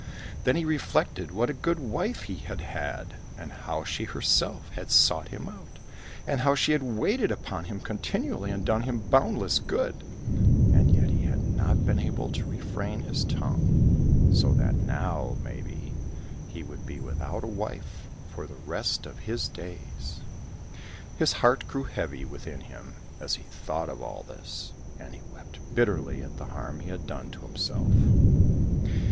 Then he reflected what a good wife he had had, and how she herself had sought him out, and how she had waited upon him continually and done him boundless good, and yet he had not been able to refrain his tongue, so that now, maybe, he would be without a wife for the rest of his days. His heart grew heavy within him as he thought of all this, and he wept bitterly at the harm he had done to himself.